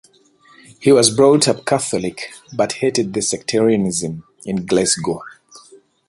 He was brought up Catholic but hated the sectarianism in Glasgow.